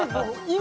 今